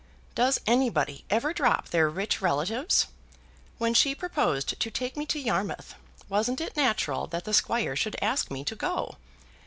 Does anybody ever drop their rich relatives? When she proposed to take me to Yarmouth, wasn't it natural that the squire should ask me to go?